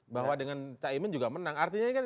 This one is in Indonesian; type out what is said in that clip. bahwa dengan cak imin juga menang